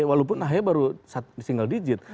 walaupun ahi baru single digit